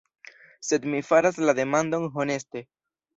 Sed mi faras la demandon honeste.